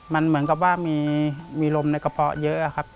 มันเหมือนกับว่ามีลมในกระเพาะเยอะครับ